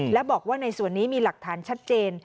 และบอกว่าในส่วนนี้มีหลักฐานชัดเจน